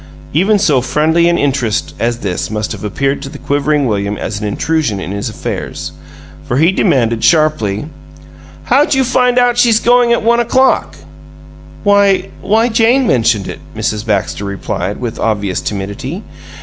Even so friendly an interest as this must have appeared to the quivering William an intrusion in his affairs, for he demanded, sharply: "How'd you find out she's going at one o'clock?" "Why why, Jane mentioned it," Mrs. Baxter replied, with obvious timidity.